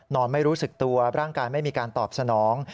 ไม่รู้สึกตัวร่างกายไม่มีการตอบสนอง